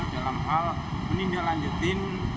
dalam hal menindalanjuti